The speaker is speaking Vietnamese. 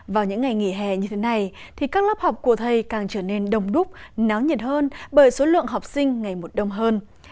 vào những ngày nghỉ hè như thế này thì các lớp học của thầy càng trở nên đông đúc náo nhiệt hơn bởi số lượng học sinh ngày một đông hơn